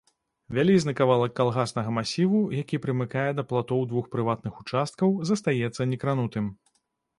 Вялізны кавалак калгаснага масіву, які прымыкае да платоў двух прыватных участкаў, застаецца некранутым.